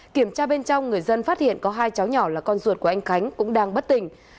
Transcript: kiểm tra bên trong người dân phát hiện có hai cháu nhỏ là con ruột của anh khánh cũng đang bất tỉnh